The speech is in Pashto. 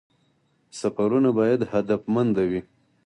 سفرونه باید هدفمند وي